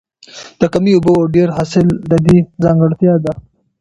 کمې اوبه او ډېر حاصل د دې ځانګړتیا ده.